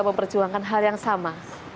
memperjuangkan hal yang sama